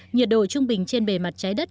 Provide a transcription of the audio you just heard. nhiệt độ trung bình trên bề mặt trái đất